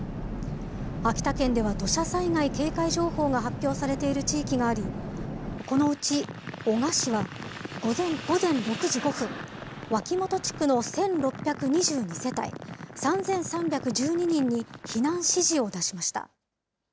秋田県では土砂災害警戒情報が発表されている地域があり、このうち男鹿市は、午前６時５分、脇本地区の１６２２世帯３３１２人に避難指示を出しました。